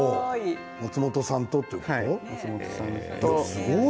すごい。